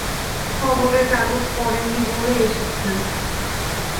খবরের কাগজ পড়েন নি বলে এসেছেন।